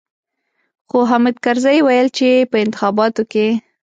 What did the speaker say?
خو حامد کرزي ويل چې په انتخاباتو کې.